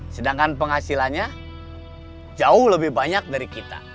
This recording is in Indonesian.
sedangkan penghasilannya jauh lebih banyak dari kita